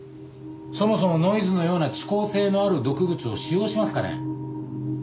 そもそもノイズのような遅効性のある毒物を使用しますかね？